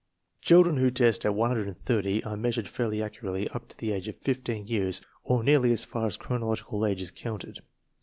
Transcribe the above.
Children who test at 180 are measured fairly accurately up to the age of fifteen years, or nearly as far as chronological age is counted.